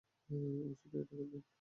ও সত্যিই এটা করবে!